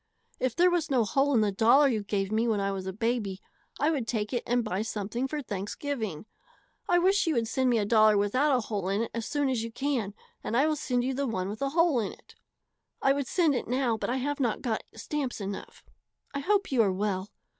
If there was no hole in the dollar you gave me when I was a baby I would take it and buy something for Thanksgiving. I wish you would send me a dollar without a hole in it as soon as you can and I will send you the one with a hole in it. I would send it now but I have not got stamps enough. I hope you are well.